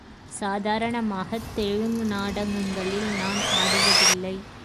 சாதாரணமாகத் தெலுங்கு நாடகங்களில் நான் ஆடுவதில்லை.